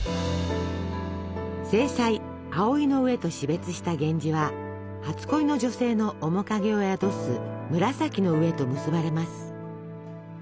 正妻葵の上と死別した源氏は初恋の女性の面影を宿す紫の上と結ばれます。